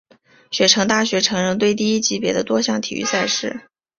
雪城大学橙人队第一级别的多项体育赛事。